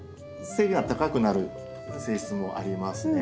背が高くなる性質もありますね。